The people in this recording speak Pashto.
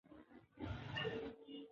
د واک محدودیت د سولې ملاتړ کوي